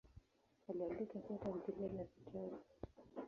Aliandika pia tamthilia na vitabu.